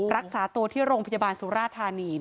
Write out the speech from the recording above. รักษาตัวที่โรงพยาบาลสุราธานี